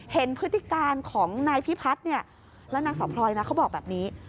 พฤติการของนายพิพัฒน์เนี่ยแล้วนางสาวพลอยนะเขาบอกแบบนี้